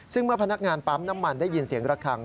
ซึ่งเมื่อพนักงานปั๊มน้ำมันได้ยินเสียงระคัง